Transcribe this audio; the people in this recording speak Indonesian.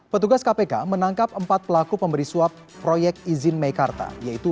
petugas kpk menangkap empat pelaku pemberi suap proyek izin meikarta yaitu